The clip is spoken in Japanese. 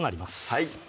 はい